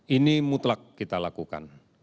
ini mutlak kita lakukan